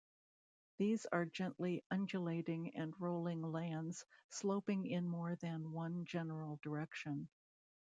These are gently undulating and rolling lands sloping in more than one general direction.